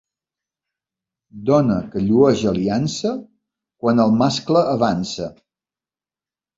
Dona que llueix aliança quan el mascle avança.